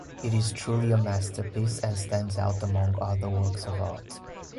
It is truly a masterpiece and stands out among other works of art.